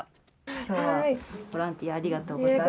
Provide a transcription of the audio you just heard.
きょうはボランティアありがとうございます。